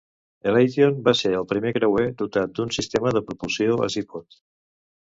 "Elation" va ser el primer creuer dotat d'un sistema de propulsió Azipod.